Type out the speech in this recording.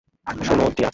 শুনো, টিয়া।